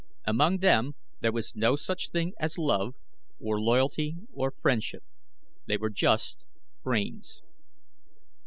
Among them there was no such thing as love, or loyalty, or friendship they were just brains.